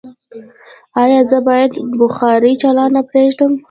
ایا زه باید بخاری چالانه پریږدم؟